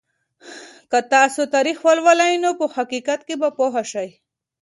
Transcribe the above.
که تاسو تاریخ ولولئ نو په حقیقت به پوه شئ.